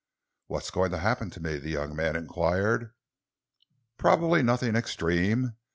"What is going to happen to me?" the young man enquired. "Probably nothing extreme.